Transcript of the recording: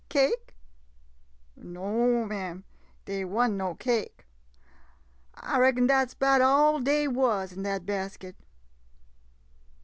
Cake ?— no 'm, dey wa'n't no cake. I reckon dat 's 'bout all dey wuz in dat basket.